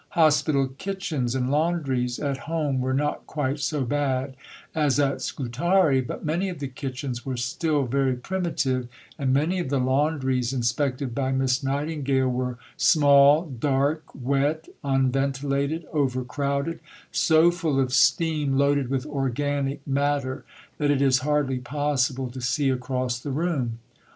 Hospital kitchens and laundries at home were not quite so bad as at Scutari; but many of the kitchens were still very primitive, and many of the laundries inspected by Miss Nightingale were "small, dark, wet, unventilated, overcrowded, so full of steam loaded with organic matter that it is hardly possible to see across the room."